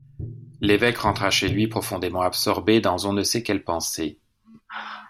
L’évêque rentra chez lui profondément absorbé dans on ne sait quelles pensées.